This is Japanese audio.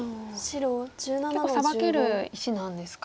結構サバける石なんですか。